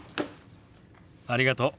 ありがとう。